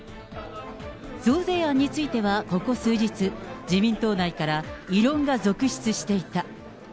増税案についてはここ数日、自民党内から、異論が続出していた。